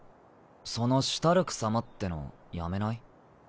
その「シュタルク様」ってのやめない？